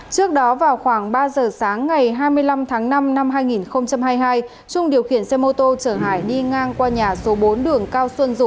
trước đó vào khoảng ba giờ sáng ngày hai mươi năm tháng năm năm hai nghìn hai mươi hai trung điều khiển xe mô tô chở hải đi ngang qua nhà số bốn đường cao xuân dũng